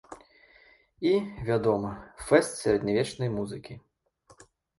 І, вядома, фэст сярэднявечнай музыкі.